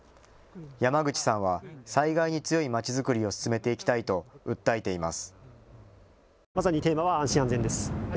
山口さんは災害に強い街づくりを進めていきたいと訴えています。